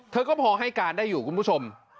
เธอก็พอให้การได้อยู่คุณผู้ชม